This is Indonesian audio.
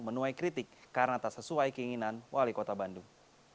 menuai kritik karena tak sesuai keinginan wali kota bandung